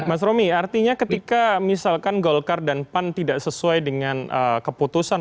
mas romi artinya ketika misalkan golkar dan pan tidak sesuai dengan keputusan